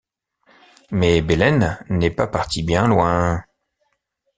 Mais Belén n'est pas partie bien loin...